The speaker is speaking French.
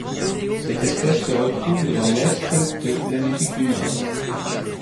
Cette espèce se retrouve dans l'est de l'Amérique du Nord.